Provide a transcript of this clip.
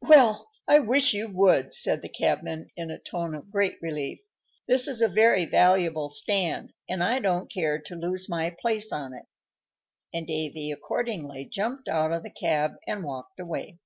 "Well, I wish you would," said the cabman, in a tone of great relief. "This is a very valuable stand, and I don't care to lose my place on it;" and Davy accordingly jumped out of the cab and walked away.